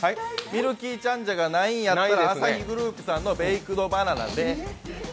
ミルキーチャンジャがないんだったらアサヒグループさんのベイクドバナナで。